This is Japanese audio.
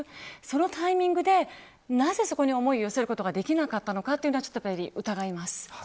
そのタイミングで、なぜそこに思いを寄せることができなかったのかというのはちょっとやはり疑います。